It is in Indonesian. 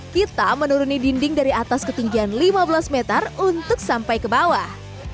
kita menuruni dinding dari atas ketinggian lima belas meter untuk sampai ke bawah